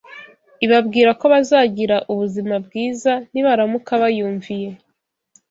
ibabwira ko bazagira ubuzima bwiza nibaramuka bayumviye